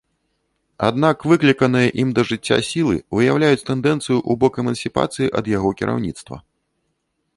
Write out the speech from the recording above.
Аднак выкліканыя ім да жыцця сілы выяўляюць тэндэнцыю ў бок эмансіпацыі ад яго кіраўніцтва.